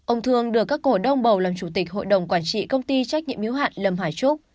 ông thương được các cổ đông bầu làm chủ tịch hội đồng quản trị công ty trách nhiệm hiếu hạn lâm hải trúc